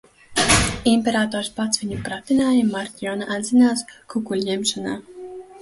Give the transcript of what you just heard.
Imperators pats viņu pratināja, Matrjona atzinās kukuļņemšanā.